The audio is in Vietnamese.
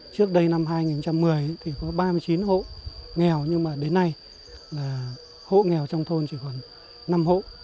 trước đây năm hai nghìn một mươi thì có ba mươi chín hộ nghèo nhưng mà đến nay là hộ nghèo trong thôn chỉ còn năm hộ